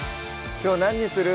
きょう何にする？